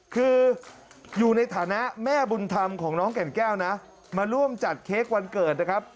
คืออยู่ในฐานะแม่บุญธรรมของน้องแก่นแก้วนะมาร่วมจัดเค้กวันเกิดนะครับ